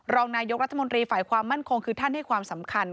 รองนายกรัฐมนตรีฝ่ายความมั่นคงคือท่านให้ความสำคัญ